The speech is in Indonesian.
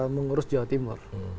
mengurus jawa timur